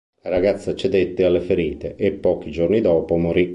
La ragazza cedette alle ferite e pochi giorni dopo morì.